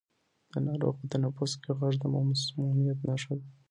د ناروغ په تنفس کې غږ د مسمومیت نښه ده.